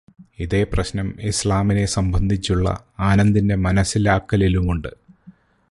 ഇതേ പ്രശ്നം ഇസ്ലാമിനെ സംബന്ധിച്ചുള്ള ആനന്ദിന്റെ മനസ്സിലാക്കലിലുമുണ്ട്.